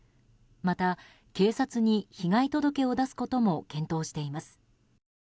また、警察に被害届を出すことも検討しています。